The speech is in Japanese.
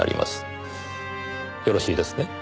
よろしいですね？